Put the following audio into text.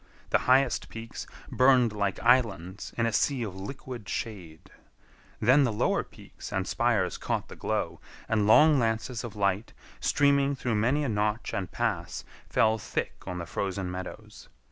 The highest peaks burned like islands in a sea of liquid shade. Then the lower peaks and spires caught the glow, and long lances of light, streaming through many a notch and pass, fell thick on the frozen meadows.